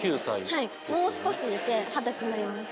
もう少しで二十歳になります。